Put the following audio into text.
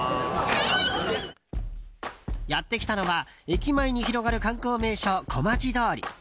やってきたのは駅前に広がる観光名所、小町通り。